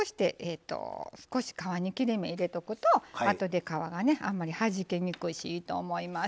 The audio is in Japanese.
少し皮に切り目入れておくとあとで、皮があんまりはじけにくいしいいと思います。